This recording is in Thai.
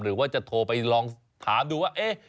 หรือว่าจะโทรไปลองถามดูว่า